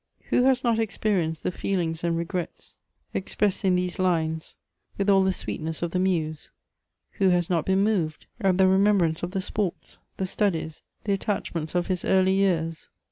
"Who has not experieneed the feelings and regrets expressed in these lines with all the sweetness gI the muse ? Who has not heen moved at the remembrance of the sports, the studies, the attachments of his early jears